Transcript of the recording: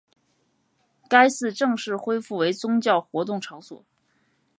该寺正式恢复为宗教活动场所。